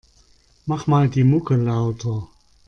Mach mal die Mucke lauter.